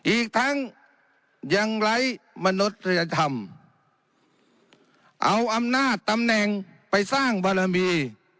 อีกทั้งยังไร้มนุษยธรรมเอาอำนาจตำแหน่งไปสร้างบารมี